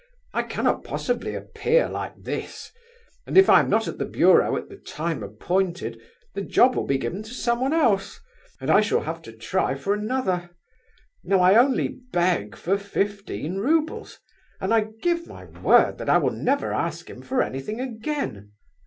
I cannot possibly appear like this, and if I am not at the bureau at the time appointed, the job will be given to someone else; and I shall have to try for another. Now I only beg for fifteen roubles, and I give my word that I will never ask him for anything again.